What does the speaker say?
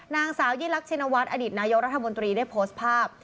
นางสาวยิ่งรักชินวัฒน์อดีตนายกรัฐมนตรีได้โพสต์ภาพ